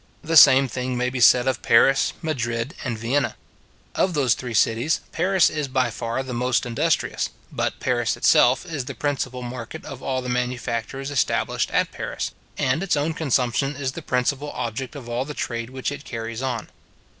The same thing may be said of Paris, Madrid, and Vienna. Of those three cities, Paris is by far the most industrious, but Paris itself is the principal market of all the manufactures established at Paris, and its own consumption is the principal object of all the trade which it carries on.